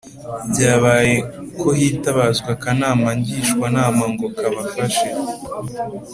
Byabaye ko hitabazwa akanama Ngishwanama ngo kabafashe